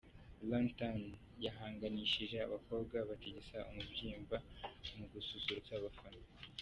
Runtown yahanganishije abakobwa batigisa umubyimba mu gususurutsa abafana.